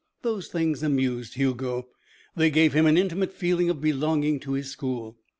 Those things amused Hugo. They gave him an intimate feeling of belonging to his school.